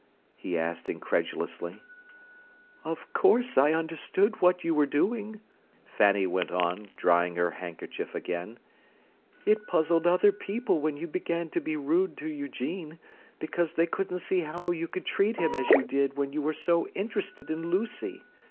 he asked incredulously. "Of course I understood what you were doing," Fanny went on, drying her handkerchief again. "It puzzled other people when you began to be rude to Eugene, because they couldn't see how you could treat him as you did when you were so interested in Lucy.